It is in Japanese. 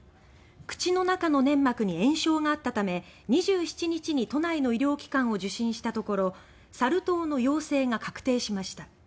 口の中の粘膜に炎症があったため２７日に都内の医療機関を受診したところサル痘の陽性が確定しました。